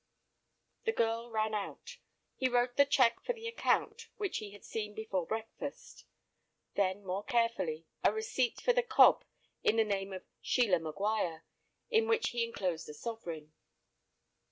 The girl ran out. He wrote the cheque for the account, which he had seen before breakfast. Then more carefully, a receipt for the cob in the name of Sheila Maguire, in which he enclosed a sovereign.